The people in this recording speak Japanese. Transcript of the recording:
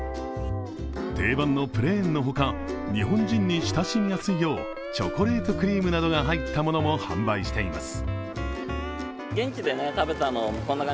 定番のプレーンの他、日本人に親しみやすいようチョコレートクリームなどが入ったものも販売しています。